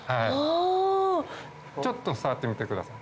ちょっと触ってみてください。